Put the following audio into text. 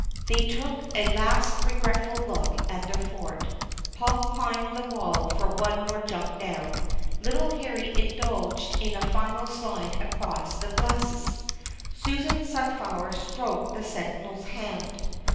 They took a last regretful look at their fort. Paul climbed the wall for one inore jump down. Little Harry indulged in a final slide across the glacis. Susan Sunflower stroked the sentinel's hand.